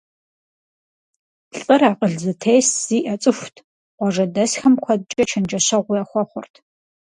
ЛӀыр акъыл зэтес зиӀэ цӀыхут, къуажэдэсхэм куэдкӀэ чэнджэщэгъу яхуэхъурт.